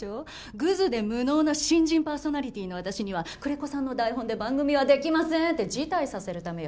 「グズで無能な新人パーソナリティーの私には久連木さんの台本で番組はできません！」って辞退させるためよ。